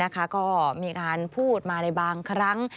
ก็มีการพูดมาในบางครั้ง